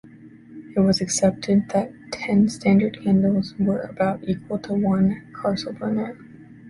It was accepted that ten standard candles were about equal to one Carcel burner.